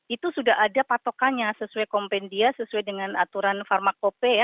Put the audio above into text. itu sudah ada patokannya sesuai kompendia sesuai dengan aturan farmakope ya